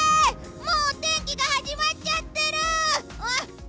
もうお天気が始まっちゃってる！